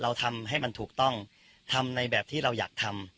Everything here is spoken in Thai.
ทำให้มันถูกต้องทำในแบบที่เราอยากทำ